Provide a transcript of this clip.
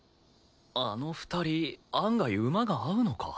あの２人案外馬が合うのか？